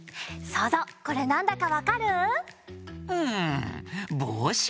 そうぞうこれなんだかわかる？んぼうしかな？